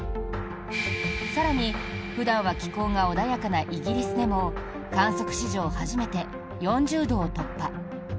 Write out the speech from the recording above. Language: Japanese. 更に、普段は気候が穏やかなイギリスでも観測史上初めて４０度を突破。